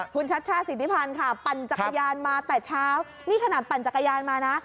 คุณชัชชาสิทธิพันธ์ค่ะปั่นจักรยานมาแต่เช้านี่ขนาดปั่นจักรยานมานะ